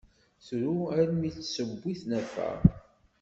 Tru almi tt-tiwi tnafa.